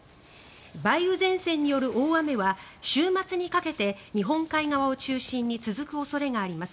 梅雨前線による大雨は週末にかけて日本海側を中心に続く恐れがあります。